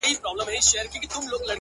خداى دي ساته له بــېـلــتــــونـــــه!